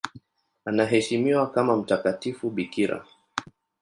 Anaheshimiwa kama mtakatifu bikira.